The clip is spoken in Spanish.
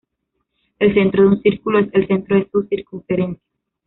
El centro de un círculo es el centro de su circunferencia.